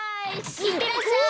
いってらっしゃい！